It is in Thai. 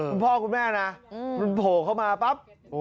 คุณพ่อคุณแม่นะมันโผล่เข้ามาปั๊บ